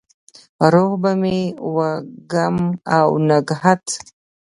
روح به مې وږم او نګهت،